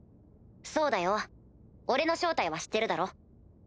そうだよ俺の正体は知ってるだろ？